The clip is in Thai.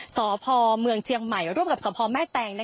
สพเมืองเชียงใหม่ร่วมกับสพแม่แตง